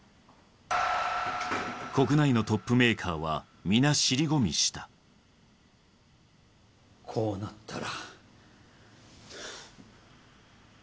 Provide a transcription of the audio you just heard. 国内のトップメーカーは皆尻込みしたこうなったら。